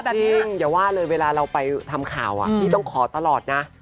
จริงอย่าว่าเลยเวลาเราไปทำข่าวพี่ต้องขอตลอดนะ